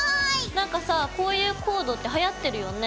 何かさこういうコードってはやってるよね？